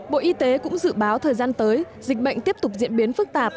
bộ y tế cũng dự báo thời gian tới dịch bệnh tiếp tục diễn biến phức tạp